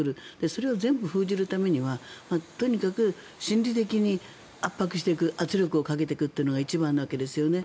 それを全部封じるためにはとにかく心理的に圧迫していく圧力をかけていくのが一番ですよね。